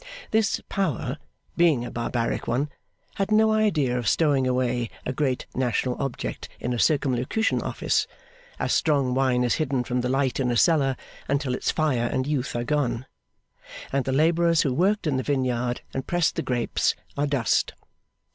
This Power, being a barbaric one, had no idea of stowing away a great national object in a Circumlocution Office, as strong wine is hidden from the light in a cellar until its fire and youth are gone, and the labourers who worked in the vineyard and pressed the grapes are dust.